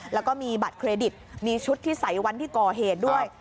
แล้วก็มีบัตรเครดิตมีชุดที่ใส่วันที่ก่อเหตุด้วย